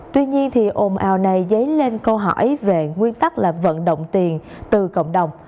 tuy nhiên thì ồn ào này dấy lên câu hỏi về nguyên tắc là vận động tiền từ cộng đồng